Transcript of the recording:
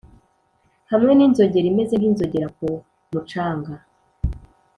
hamwe n'inzogera imeze nk'inzogera ku mucanga;